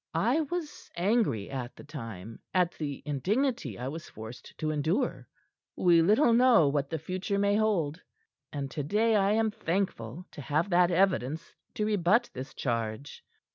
I was angry at the time, at the indignity I was forced to endure. We little know what the future may hold. And to day I am thankful to have that evidence to rebut this charge."